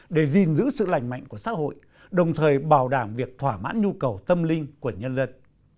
để gìn giữ sự lành mạnh của xã hội đồng thời bảo đảm việc thỏa mãn nhu cầu tâm linh của nhân dân